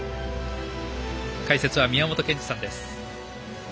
解説は宮本賢二さんです。